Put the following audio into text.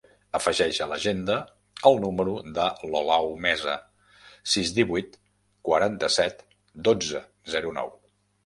Afegeix a l'agenda el número de l'Olau Mesa: sis, divuit, quaranta-set, dotze, zero, nou.